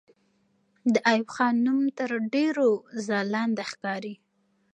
د ایوب خان نوم تر ډېرو ځلانده ښکاري.